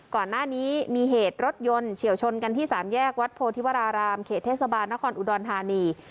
ก่อนหน้านี้มีเหตุรถยนต์เฉียวชนกันที่สามแยกวัดโพธิวรารามเขตเทศบาลนครอุดรธานี